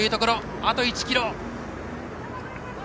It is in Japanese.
あと１ｋｍ。